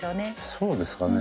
そうですかね。